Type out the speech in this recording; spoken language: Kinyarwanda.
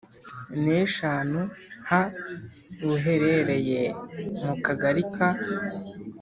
n eshanu ha buherereye mu Kagari ka